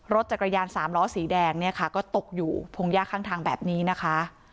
รถจักรยานสามล้อสีแดงเนี่ยค่ะก็ตกอยู่พงหญ้าข้างทางแบบนี้นะคะ